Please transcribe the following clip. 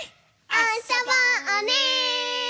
あそぼうね！